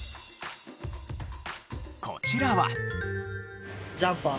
こちらは。